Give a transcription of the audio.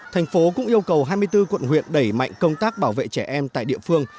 thành phố cũng yêu cầu hai mươi bốn quận huyện đẩy mạnh công tác bảo vệ trẻ em tại địa phương